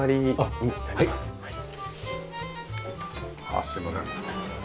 ああすいません。